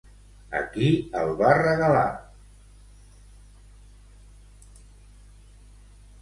A qui el va regalar?